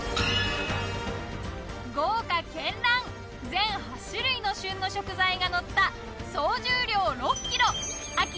豪華けんらん全８種類の旬の食材がのった。